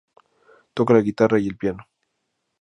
Toca la guitarra y el piano.